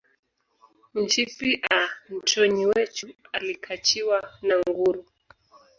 Nshipi a ntonyi wechu alikachiwa na nguru